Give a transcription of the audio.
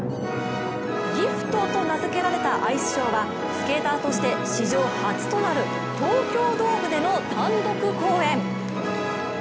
「ＧＩＦＴ」と名付けられたアイスショーはスケーターとして史上初となる東京ドームでの単独公演。